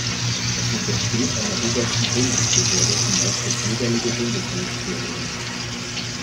Es untersteht einer Obersten Bundesbehörde, die meist das jeweilige Bundesministerium ist.